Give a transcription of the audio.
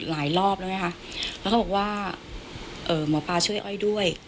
หลายรอบแล้วไหมคะแล้วเขาบอกว่าหมอปลาช่วยอ้อยด้วย